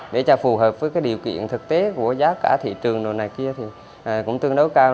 để cho phù hợp với điều kiện thực tế của giá cả thị trường đồ này kia thì cũng tương đối cao